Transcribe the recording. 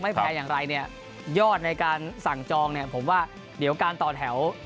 แพงอย่างไรเนี่ยยอดในการสั่งจองเนี่ยผมว่าเดี๋ยวการต่อแถว